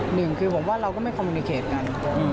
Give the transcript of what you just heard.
หนึ่งคือผมว่าเราก็ไม่คอมมินิเขตกัน